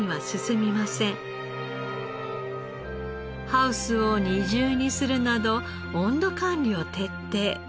ハウスを二重にするなど温度管理を徹底。